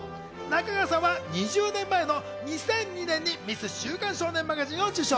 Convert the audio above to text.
中川さんは２０年前の２００２年にミス週刊少年マガジンを受賞。